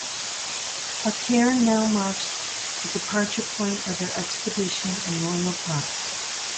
A cairn now marks the departure point of their expedition in Royal Park.